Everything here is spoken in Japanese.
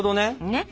ねっ。